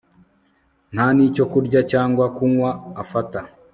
nta nicyo kurya cyangwa kunywa afata